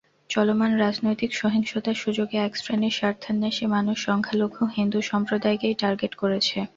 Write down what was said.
চলমান রাজনৈতিক সহিংসতার সুযোগে একশ্রেণীর স্বার্থান্বেষী মানুষ সংখ্যালঘু হিন্দু সম্প্রদায়কেই টার্গেট করেছে।